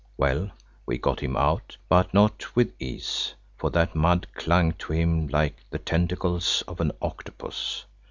Well, we got him out but not with ease, for that mud clung to him like the tentacles of an octopus.